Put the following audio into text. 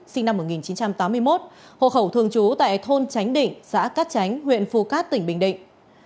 sinh năm một nghìn chín trăm tám mươi một hộ khẩu thường trú tại thôn tránh định xã cát tránh huyện phu cát tỉnh bình định